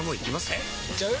えいっちゃう？